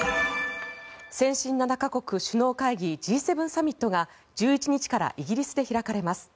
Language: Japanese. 先進７か国首脳会議Ｇ７サミットが１１日からイギリスで開かれます。